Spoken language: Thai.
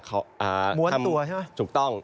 ม้วนตัวใช่ไหมถูกต้อง